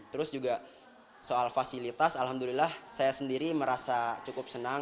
terus juga soal fasilitas alhamdulillah saya sendiri merasa cukup senang